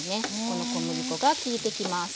この小麦粉がきいてきます。